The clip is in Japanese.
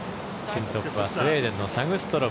現在、トップはスウェーデンのサグストロム。